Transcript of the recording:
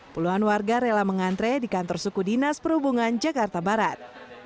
puluhan warga rela mengantre di kantor suku dinas perhubungan jakarta barat